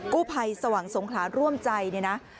กู้ภัยสว่างสงขลาร่วมใจเนี่ยนะ